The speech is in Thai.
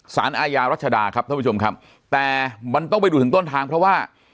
สารอาญารัชดาครับท่านผู้ชมครับแต่มันต้องไปดูถึงต้นทางเพราะว่า